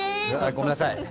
ごめんなさい。